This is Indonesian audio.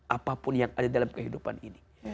apapun yang ada dalam kehidupan ini